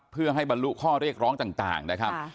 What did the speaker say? เพื่อให้บรรลุข้อเรียกร้องต่างนะครับ